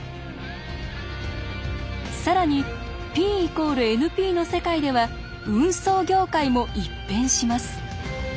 更にＰ＝ＮＰの世界では運送業界も一変します。